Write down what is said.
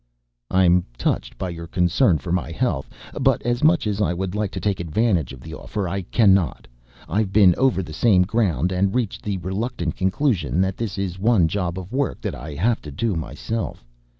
"I'm touched by your concern for my health, but as much as I would like to take advantage of the offer, I cannot. I've been over the same ground and reached the reluctant conclusion that this is one job of work that I have to do myself.